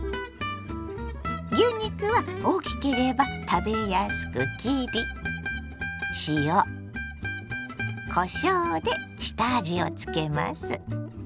牛肉は大きければ食べやすく切り下味をつけます。